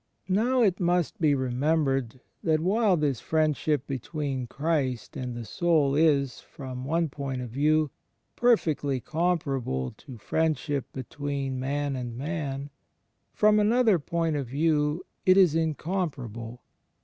Now it must be remembered that while this friendship between Christ and the soul is, from one point of view, perfectly comparable to friendship be tween man and man, from another point of view it is incomparable.